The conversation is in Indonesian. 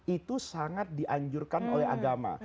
itu sangat dianjurkan oleh agama